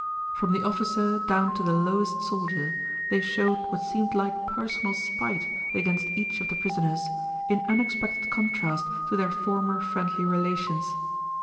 From the officer down to the lowest soldier they showed what seemed like personal spite against each of the prisoners, in unexpected contrast to their former friendly relations.